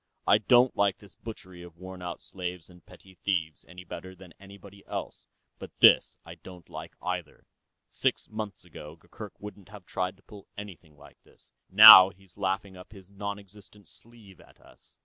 I don't like this butchery of worn out slaves and petty thieves any better than anybody else, but this I don't like either. Six months ago, Gurgurk wouldn't have tried to pull anything like this. Now he's laughing up his non existent sleeve at us."